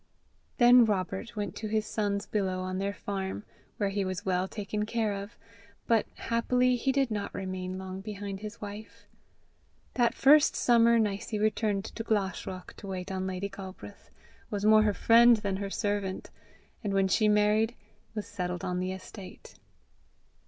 Then Robert went to his sons below on their farm, where he was well taken care of; but happily he did not remain long behind his wife. That first summer, Nicie returned to Glashruach to wait on Lady Galbraith, was more her friend than her servant, and when she married, was settled on the estate.